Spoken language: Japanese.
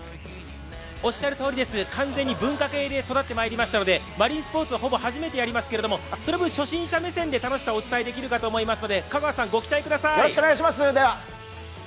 おっしゃるとおりです、完全に文化系で育ってきたのでマリンスポーツほぼ初めてやりますけれども、その分、初心者目線でお伝えできるかと思いますので香川さん、ご期待ください。